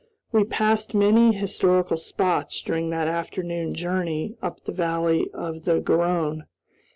We passed many historical spots during that afternoon journey up the valley of the Garonne.